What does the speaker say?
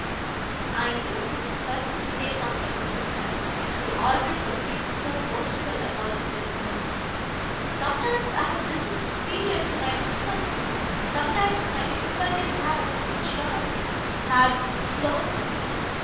I knew he was certain to say something of this kind; he always would be so boastful about his difficulties. 'Sometimes I have risen superior to my difficulties. Sometimes my difficulties have in short, have floored me.